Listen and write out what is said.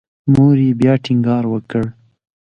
مور یې بیا ټینګار وکړ.